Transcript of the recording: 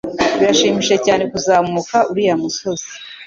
Birashimishije cyane kuzamuka uriya musozi.